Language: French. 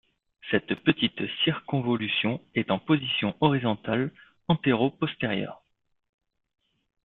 Cette petite circonvolution est en position horizontale antéro-postérieure.